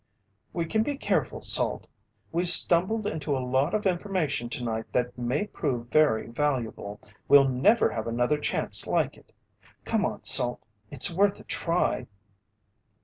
"We can be careful. Salt, we've stumbled into a lot of information tonight that may prove very valuable. We'll never have another chance like it. Come on, Salt, it's worth a try."